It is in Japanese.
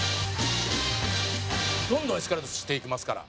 「どんどんエスカレートしていきますから」